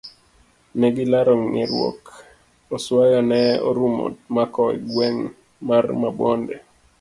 Negilaro nge'ruok. oswayo ne orumo mako e gweng' mar Mabonde.